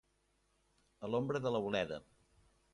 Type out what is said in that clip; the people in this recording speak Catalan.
A l'ombra de l'auleda.